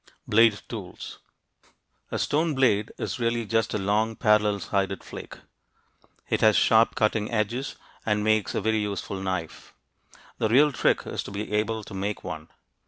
BLADE TOOLS A stone blade is really just a long parallel sided flake, as the drawing shows. It has sharp cutting edges, and makes a very useful knife. The real trick is to be able to make one.